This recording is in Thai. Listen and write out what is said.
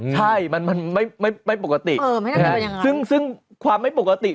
ใช่มันไม่ปกติ